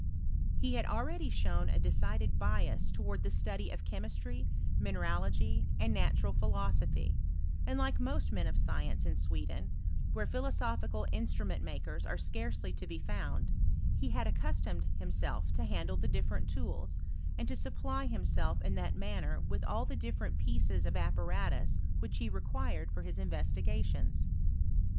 He ^ad already shown a decided bias towards the study Df chemistry, mineralogy, and natural philosophy; and, like most men of science in Sweden, where phiiosophical instrument makers are scarcely to be Bound, he had accustomed himself to handle the ^different tools, and to supply himself in that manner with all the different pieces of apparatus which he Acquired for his investigations.